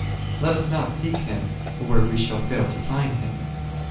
Let us not seek Him where we shall fail to find Him.